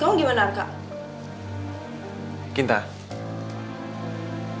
kamu yakin kamu mau beli cincin itu sekarang